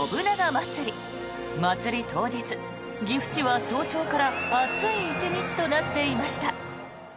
まつり当日、岐阜市は早朝から熱い１日となっていました。